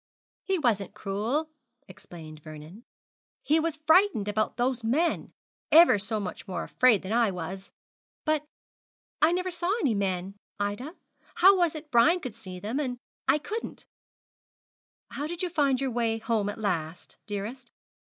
'He wasn't cruel,' explained Vernon; 'he was frightened about those men, ever so much more afraid than I was. But I never saw any men, Ida. How was it Brian could see them, when I couldn't?' 'How did you find your way home at last, dearest?'